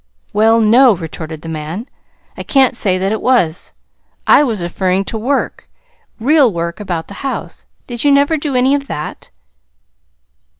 "Well, no," retorted the man, "I can't say that it was. I was referring to work real work about the house. Did you never do any of that?"